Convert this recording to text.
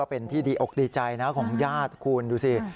เป็นที่ดีอกดีใจนะของญาติคุณดูสิ